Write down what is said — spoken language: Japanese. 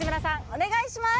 お願いします